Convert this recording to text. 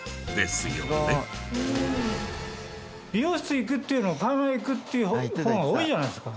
美容室行くっていうのをパーマ屋行くって言う方が多いじゃないですか。